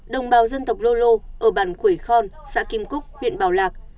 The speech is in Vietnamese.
đồng bào dân tộc lô lô ở bản quầy khon xã kim cúc huyện bảo lạc